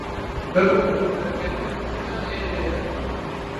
Bibore, derketin li kîjan hêlê ye?